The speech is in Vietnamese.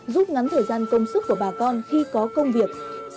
giúp ngắn thời gian công sức của bà con khi có công việc